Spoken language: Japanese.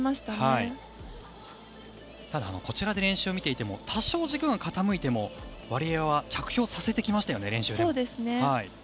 ただ、こちらで練習を見ていても多少、軸が傾いてもワリエワは着氷させてきましたよね練習で。